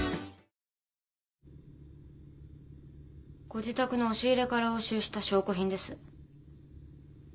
ご自宅の押し入れから押収した証拠品です。